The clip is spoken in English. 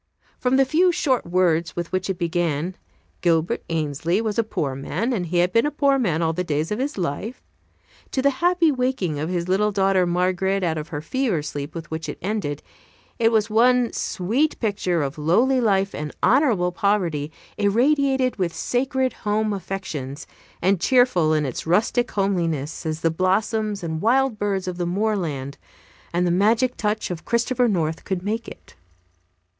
From the few short words with which it began "Gilbert Ainslee was a poor man, and he had been a poor man all the days of his life" to the happy waking of his little daughter Margaret out of her fever sleep with which it ended, it was one sweet picture of lowly life and honorable poverty irradiated with sacred home affections, and cheerful in its rustic homeliness as the blossoms and wild birds of the moorland and the magic touch of Christopher North could make it.